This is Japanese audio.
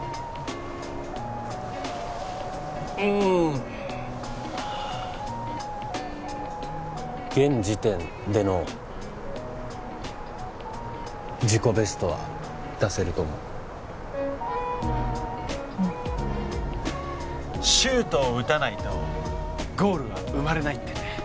うん現時点での自己ベストは出せると思ううんシュートを打たないとゴールは生まれないってね